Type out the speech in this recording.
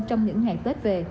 trong những ngày tết về